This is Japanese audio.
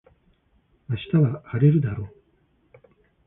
明日は晴れるだろう